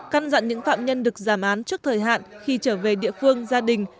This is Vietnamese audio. căn dặn những phạm nhân được giảm án trước thời hạn khi trở về địa phương gia đình